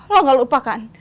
lo gak lupakan